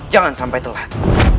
jangan sampai telat